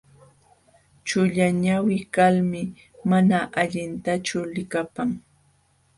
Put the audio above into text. Chullañawi kalmi mana allintachu likapan.